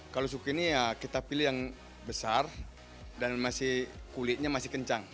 kalau sukini kita pilih yang besar dan kulitnya masih kencang